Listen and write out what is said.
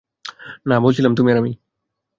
না, বলছিলাম তুমি আর আমি।